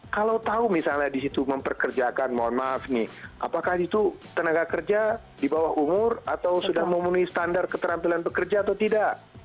kalau tahu misalnya di situ memperkerjakan mohon maaf nih apakah itu tenaga kerja di bawah umur atau sudah memenuhi standar keterampilan bekerja atau tidak